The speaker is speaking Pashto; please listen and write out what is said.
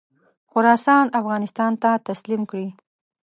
خراسان افغانستان ته تسلیم کړي.